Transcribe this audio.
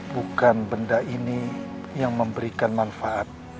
bukan benda ini yang memberikan manfaat